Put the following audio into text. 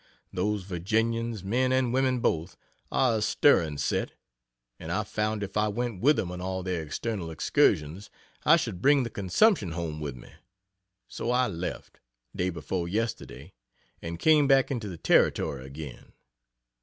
Those Virginians men and women both are a stirring set, and I found if I went with them on all their eternal excursions, I should bring the consumption home with me so I left, day before yesterday, and came back into the Territory again.